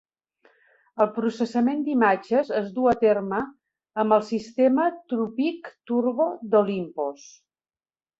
El processament d'imatges es duu a terme amb el sistema TruePic Turbo d'Olympus.